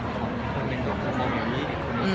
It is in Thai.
คนหนึ่งเขามองอย่างนี้คนอื่นมีคนอื่นมีคนอื่น